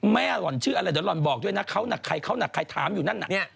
หล่อนชื่ออะไรเดี๋ยวหล่อนบอกด้วยนะเขาหนักใครเขาหนักใครถามอยู่นั่นน่ะ